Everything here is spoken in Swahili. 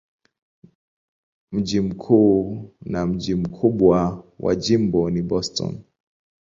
Mji mkuu na mji mkubwa wa jimbo ni Boston.